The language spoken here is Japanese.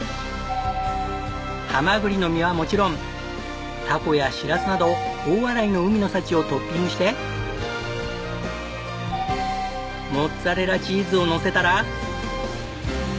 ハマグリの身はもちろんタコやしらすなど大洗の海の幸をトッピングしてモッツァレラチーズをのせたら。